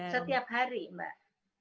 setiap hari mbak